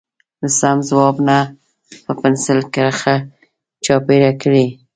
له سم ځواب نه په پنسل کرښه چاپېره کړئ.